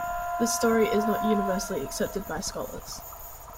This story is not universally accepted by scholars.